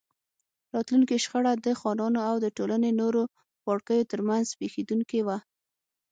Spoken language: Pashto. راتلونکې شخړه د خانانو او د ټولنې نورو پاړکیو ترمنځ پېښېدونکې وه.